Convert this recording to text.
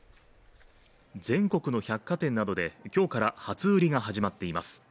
全国の百貨店などで今日から初売りが始まっています。